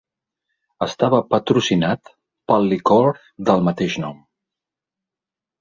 Estava patrocinat pel licor del mateix nom.